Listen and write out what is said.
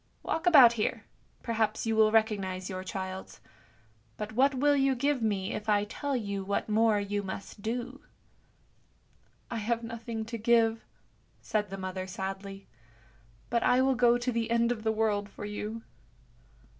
Walk about here, perhaps you will recognise your child's; but what will you give me if I tell you what more you must do? "" I have nothing to give," said the mother sadly, " but I will go to the end of the world for you."